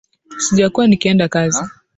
Sijakuwa nikienda kazi.